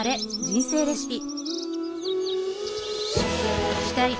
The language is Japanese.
人生レシピ」